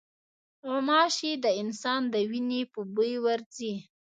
غوماشې د انسان د وینې په بوی ورځي.